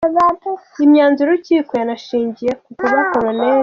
Imyanzuro y’urukiko yanashingiye ku kuba Col.